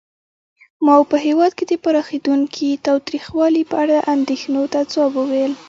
ماوو په هېواد کې د پراخېدونکي تاوتریخوالي په اړه اندېښنو ته ځواب وویل.